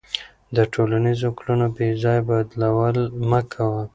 د ټولنیزو کړنو بېځایه بدلول مه کوه.